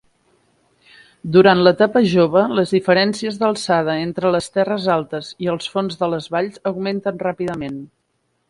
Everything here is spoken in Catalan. Durant l'etapa "jove" les diferències d'alçada entre les terres altes i els fons de les valls augmenten ràpidament.